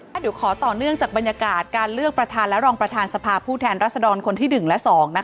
เดี๋ยวขอต่อเนื่องจากบรรยากาศการเลือกประธานและรองประธานสภาผู้แทนรัศดรคนที่๑และ๒นะคะ